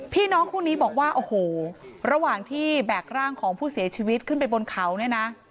พี่น้องคู่นี้บอกว่าโอ้โหระหว่างที่แบกร่างของผู้เสียชีวิตขึ้นไปบนเขาเนี่ยนะ